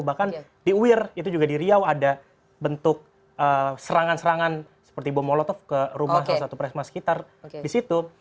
bahkan di uir itu juga di riau ada bentuk serangan serangan seperti bom molotov ke rumah salah satu presma sekitar di situ